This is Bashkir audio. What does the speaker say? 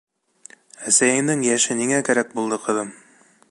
Әсәйендең йәше ниңә кәрәк булды, ҡыҙым?